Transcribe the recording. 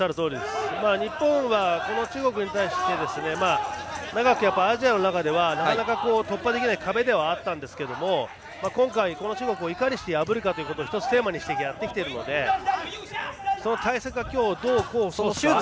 日本は中国に対して長くアジアの中ではなかなか突破できない壁ではあったんですけども今回、この中国をいかにして破るかをテーマにしてやってきているのでその対策が今日、どう功を奏すか。